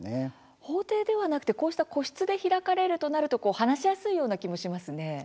法廷ではなくてこうした個室で開かれるとなると話しやすいような気がしますね。